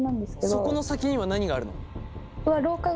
そこの先には何があるの？